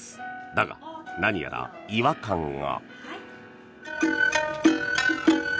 だが、何やら違和感が。